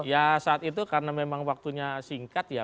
ya saat itu karena memang waktunya singkat ya